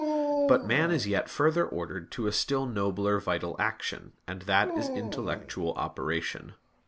But man is yet further ordered to a still nobler vital action, and that is intellectual operation.